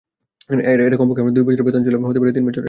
এটা কমপক্ষে আমার দুই বছরই বেতন ছিল, হতে পারে তিন বছরের।